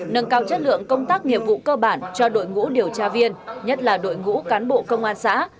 nâng cao chất lượng công tác nghiệp vụ cơ bản cho đội ngũ điều tra viên nhất là đội ngũ cán bộ công an xã